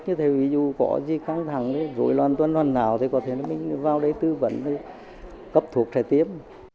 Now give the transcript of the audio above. thế thì dù có gì kháng thẳng rồi loàn toàn hoàn hảo thì có thể mình vào đây tư vấn cấp thuốc trải tiếp